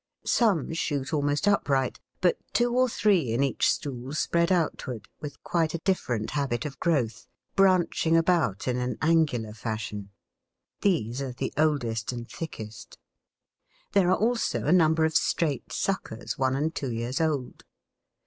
Some shoot almost upright, but two or three in each stool spread outward, with quite a different habit of growth, branching about in an angular fashion. These are the oldest and thickest. There are also a number of straight suckers one and two years old.